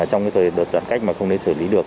trong đợt giãn cách mà không đến xử lý được